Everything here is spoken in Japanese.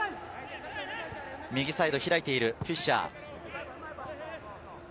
右サイド開いている、フィッシャー。